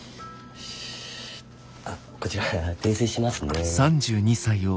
あこちら訂正しますね。